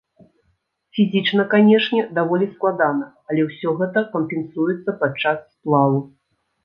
Фізічна, канешне, даволі складана, але ўсё гэта кампенсуецца падчас сплаву.